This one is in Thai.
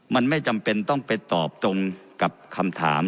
มันไม่จำเป็นต้องไปตอบตรงกับคำถาม